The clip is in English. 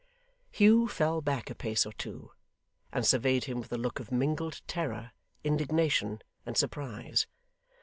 Hugh fell back a pace or two and surveyed him with a look of mingled terror, indignation, and surprise.